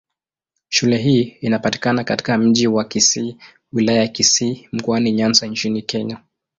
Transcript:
Shule hii inapatikana katika Mji wa Kisii, Wilaya ya Kisii, Mkoani Nyanza nchini Kenya.